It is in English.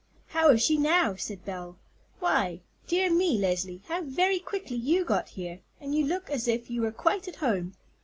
"How is she now?" said Belle. "Why, dear me, Leslie, how very quickly you got here, and you look as if you were quite at home.